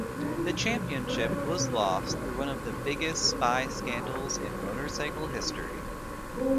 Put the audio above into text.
The championship was lost through one of the biggest spy scandals in motorcycle history.